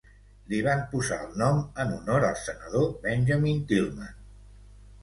Li van posar el nom en honor al senador Benjamin Tillman.